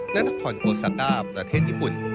และนครโกซาก้าประเทศญี่ปุ่น